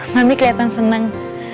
mami keliatan seneng